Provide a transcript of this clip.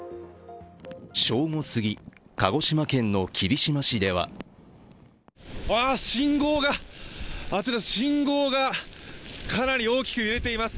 正午すぎ、鹿児島県の霧島市では信号が、あちらの信号がかなり大きく揺れています。